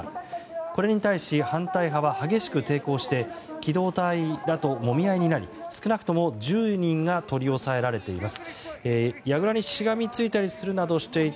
これに対し反対派は激しく抵抗して機動隊員らともみ合いになり少なくとも１０人が取り押さえられています。